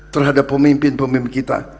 terhadap pemimpin pemimpin kita